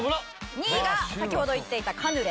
２位が先ほど言っていたカヌレ。